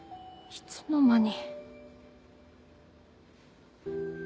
いつの間に。